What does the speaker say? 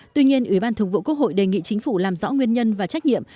tuy nhiên ủy ban thường vụ quốc hội đề nghị chính phủ làm rõ nguyên nhân và trách nhiệm